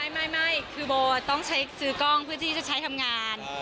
ไม่คือโบต้องใช้ซื้อกล้องเพื่อที่จะใช้ทำงาน